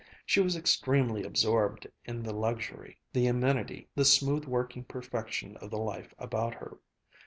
She was extremely absorbed in the luxury, the amenity, the smooth working perfection of the life about her.